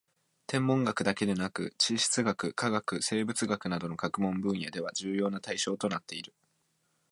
天文学だけでなく地質学・化学・生物学などの学問分野では重要な対象となっている